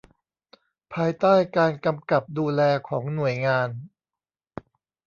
ภายใต้การกำกับดูแลของหน่วยงาน